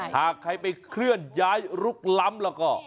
หากใครอ่ะเข้ายายลูกลำ